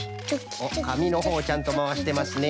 おっかみのほうをちゃんとまわしてますね。